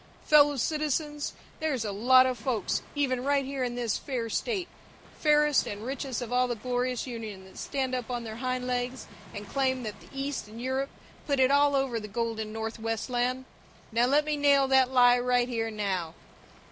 "Fellow citizens, there's a lot of folks, even right here in this fair state, fairest and richest of all the glorious union, that stand up on their hind legs and claim that the East and Europe put it all over the golden Northwestland. Now let me nail that lie right here and now.